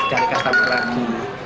dari kas tampuk lagi